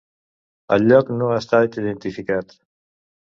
El lloc no ha estat identificat.